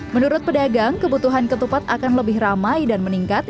menurut pedagang kebutuhan ketupat akan lebih ramai dan meningkat